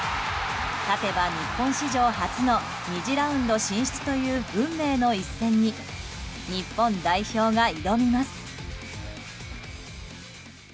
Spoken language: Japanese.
勝てば日本史上初の２次ラウンド進出という運命の一戦に日本代表が挑みます。